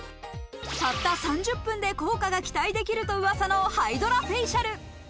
たった３０分で効果が期待できるとうわさのハイドラフェイシャル。